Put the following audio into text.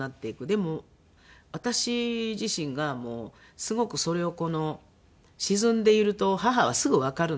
でも私自身がもうすごくそれをこの沈んでいると母はすぐわかるので。